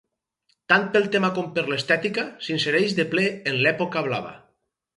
Tant pel tema com per l'estètica, s'insereix de ple en l'època Blava.